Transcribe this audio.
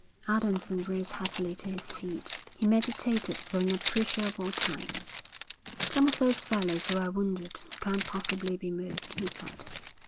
Adamson rose heavily to his feet. He meditated for an appreciable time. 'Some of those fellows who are wounded can't possibly be moved,' he said.